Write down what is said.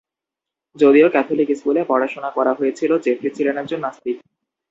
যদিও ক্যাথলিক স্কুলে পড়াশোনা করা হয়েছিল, জেফ্রি ছিলেন একজন নাস্তিক।